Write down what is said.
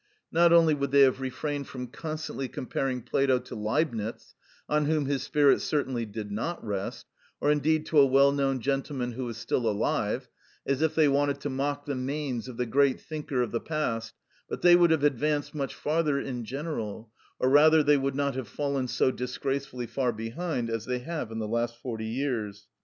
Not only would they have refrained from constantly comparing Plato to Leibnitz, on whom his spirit certainly did not rest, or indeed to a well known gentleman who is still alive,(44) as if they wanted to mock the manes of the great thinker of the past; but they would have advanced much farther in general, or rather they would not have fallen so disgracefully far behind as they have in the last forty years.